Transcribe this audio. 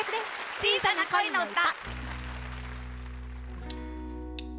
小さな恋のうた。